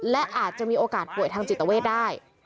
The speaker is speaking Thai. และอาจจะมีโอกาสป่วยทางจิตเวทได้